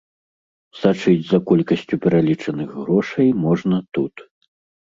Сачыць за колькасцю пералічаных грошай можна тут.